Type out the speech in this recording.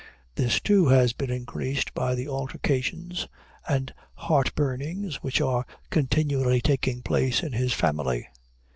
This, too, has been increased by the altercations and heart burnings which are continually taking place in his family.